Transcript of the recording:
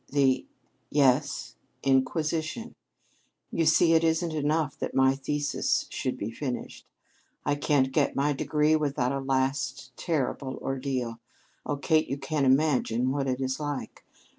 "The " "Yes, inquisition. You see, it isn't enough that my thesis should be finished. I can't get my degree without a last, terrible ordeal. Oh, Kate, you can't imagine what it is like!